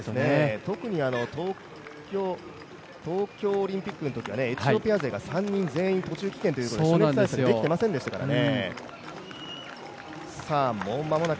特に東京オリンピックのときはエチオピア勢が３人全員途中棄権というところで暑熱対策できていませんでしたからね。